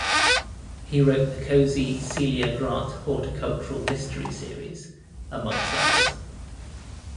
He wrote the cozy Celia Grant Horticultural mystery series, amongst others.